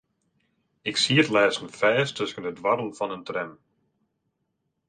Ik siet lêsten fêst tusken de doarren fan in tram.